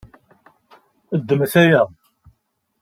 Ddmet aya.